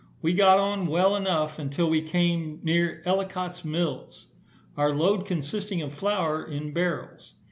We got on well enough until we came near Ellicott's Mills. Our load consisted of flour, in barrels.